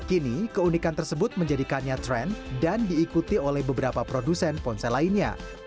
kini keunikan tersebut menjadikannya tren dan diikuti oleh beberapa produsen ponsel lainnya